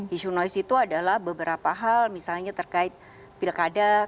isu noise itu adalah beberapa hal misalnya terkait pilkada